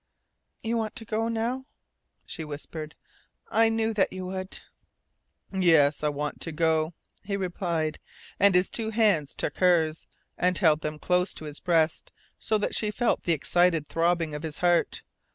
"You want to go now," she whispered. "I knew that you would." "Yes, I want to go," he replied, and his two hands took hers, and held them close to his breast, so that she felt the excited throbbing of his heart.